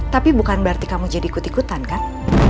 tapi bukan berarti kamu jadi ikut ikutan kan